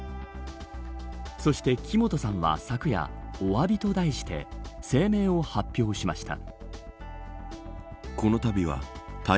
そして木本さんは昨夜おわびと題して声明を発表しました。